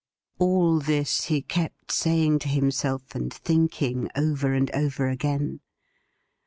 All this he kept saying to himself and thinking over and over again.